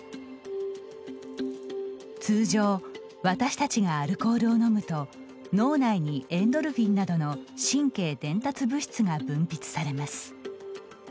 通常私たちがアルコールを飲むと脳内にエンドルフィンなどの神経伝達物質が分泌されます。